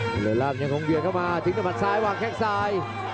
จริงลาบยังคงเยือนเข้ามาถึงตะบัดซ้ายวางแค่ขวาซ้าย